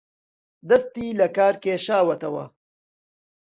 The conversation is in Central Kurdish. دەستی لەکار کێشاوەتەوە